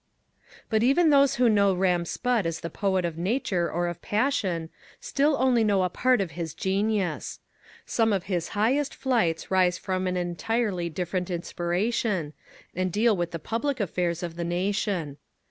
But even those who know Ram Spudd as the poet of nature or of passion still only know a part of his genius. Some of his highest flights rise from an entirely different inspiration, and deal with the public affairs of the nation.